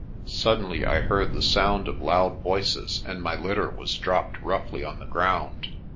Suddenly I heard the sound of loud voices and my litter was dropped roughly on the ground.